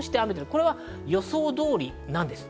これは予想通りなんです。